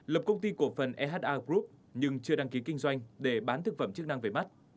lập công ty cổ phần eha group nhưng chưa đăng ký kinh doanh để bán thực phẩm chức năng về mắt